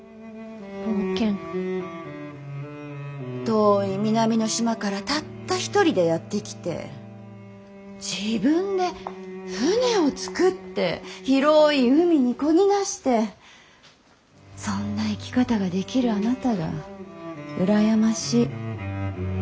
遠い南の島からたった一人でやって来て自分で舟を作って広い海にこぎ出してそんな生き方ができるあなたが羨ましい。